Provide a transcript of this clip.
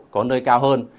có nơi cao hơn